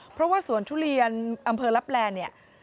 เพราะว่าสวนทุเรียนอำเภอลับแลเนี่ย